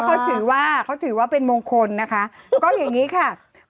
เขาถือว่าเป็นมงคลนะคะก็อย่างนี้ค่ะ